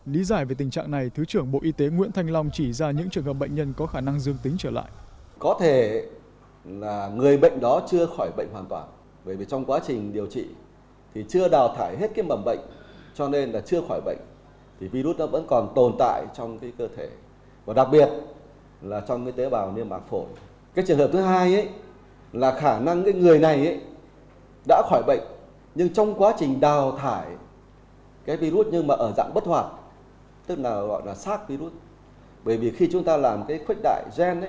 lý giải về tình trạng này thứ trưởng bộ y tế nguyễn thanh long chỉ ra những trường hợp bệnh nhân có khả năng dương tính trở lại